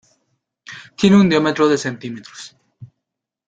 Tiene un diámetro de cm.